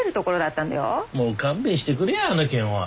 もう勘弁してくれやあの件は。